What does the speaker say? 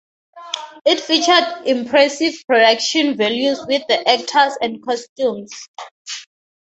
It featured impressive production values with the actors and costumes.